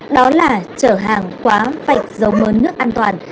đó là trở hàng quá vạch dấu mớ nước an toàn